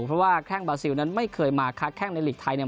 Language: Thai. เพราะว่าแค่งบราซิลนั้นไม่เคยมาคาดแค่งในหลีกไทย